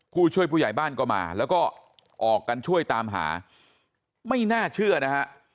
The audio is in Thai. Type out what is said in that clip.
ผู้ช่วยผู้ใหญ่บ้านก็มาแล้วก็ออกกันช่วยตามหาไม่น่าเชื่อนะฮะ